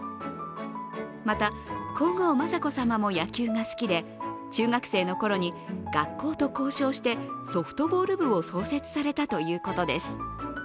また、皇后雅子さまも野球が好きで中学生のころに学校と交渉して、ソフトボール部を創設されたということです。